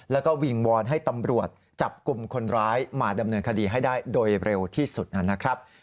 แล้วก็วิงวอนให้ตำรวจจับกลุ่มคนร้ายมาดำเนินคดีให้ได้โดยเร็วที่สุดนะครับ